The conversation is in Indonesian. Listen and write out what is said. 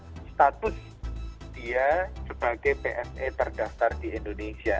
pencabutan status dia sebagai bse terdaftar di indonesia